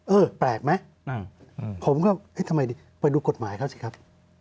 เออแปลกไหมผมก็เอ๊ะทำไมดีไปดูกฎหมายเขาสิครับ